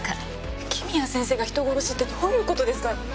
雪宮先生が人殺しってどういうことですか？